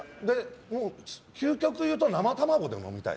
究極言うと生卵で飲みたい。